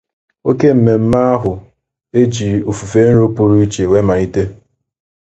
Oke mmemme ahụ e jiri ofufè nrò pụrụ iche wee màlite